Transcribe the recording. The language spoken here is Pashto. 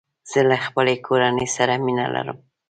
زه له خپلې کورني سره مینه لرم.